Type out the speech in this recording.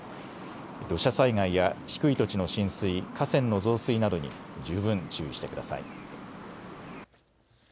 土砂災害や低い土地の浸水、河川の増水などに十分注意してください。